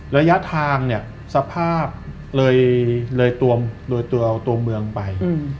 ระยะทางเนี่ยสภาพเลยเลยตัวเอาตัวเมืองไป